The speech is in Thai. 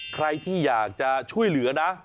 ใครที่อยากจะช่วยเหลือนะ